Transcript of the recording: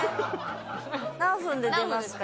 何分で出ますか？